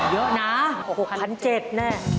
เยอะนะ๑๗๐๐แน่